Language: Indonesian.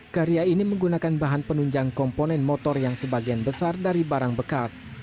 karya ini menggunakan bahan penunjang komponen motor yang sebagian besar dari barang bekas